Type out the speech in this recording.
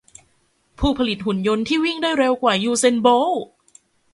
ผู้ผลิตหุ่นยนต์ที่วิ่งได้เร็วกว่า ยูเซน โบลต์